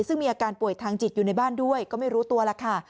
ซึ่งมีอาการป่วยทางจิตอยู่ในบ้านด้วยก็ไม่รู้ตัวแล้วค่ะ